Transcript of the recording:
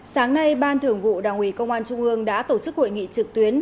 sáng nay ban thường vụ đảng ủy công an trung ương đã tổ chức hội nghị trực tuyến